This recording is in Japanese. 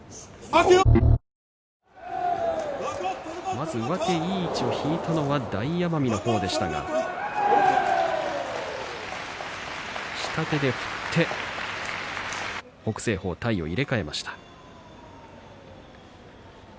まず上手いい位置を引いたのは大奄美の方でした下手で振って北青鵬、体を入れ替えました。